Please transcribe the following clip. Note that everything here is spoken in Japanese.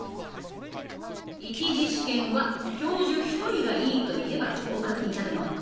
１次試験は教授１人が「いい」と言えば合格になるの。